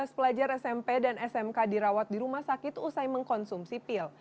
dua belas pelajar smp dan smk dirawat di rumah sakit usai mengkonsum sipil